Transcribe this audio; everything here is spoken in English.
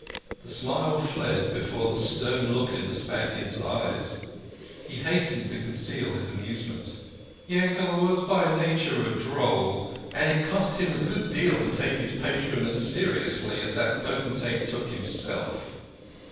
The smile fled before the stern look in the .Span iard's eyes ; he hastened to conceal his amusement. Yankele was by nature a droll, and it cost him a good deal to take his patron as seriously as that potentate took himself.